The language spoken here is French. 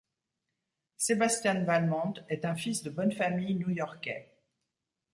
Sebastian Valmont est un fils de bonne famille new yorkais.